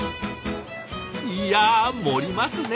いや盛りますね！